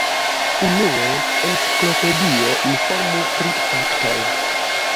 Unue, enciklopedio informu pri faktoj.